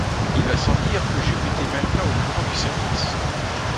Il va sans dire que Jup était maintenant au courant du service